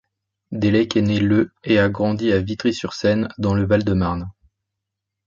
Delleck est né le et a grandi à Vitry-sur-Seine, dans le Val-de-Marne.